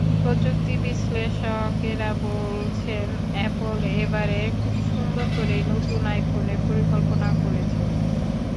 প্রযুক্তি বিশ্লেষকেরা বলছেন, অ্যাপল এবারে খুব সুন্দর করেই নতুন আইফোনের পরিকল্পনা করেছে।